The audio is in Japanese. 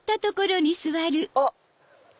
あっ！